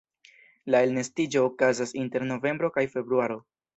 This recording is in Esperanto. La elnestiĝo okazas inter novembro kaj februaro.